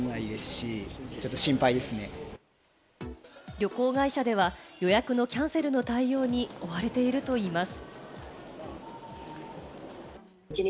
旅行会社では予約のキャンセルの対応に追われているといいます。